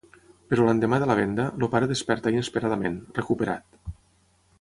Però l’endemà de la venda, el pare desperta inesperadament, recuperat.